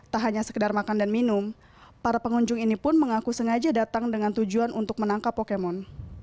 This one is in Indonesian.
tak hanya sekedar makan dan minum para pengunjung ini pun mengaku sengaja datang dengan tujuan untuk menangkap pokemon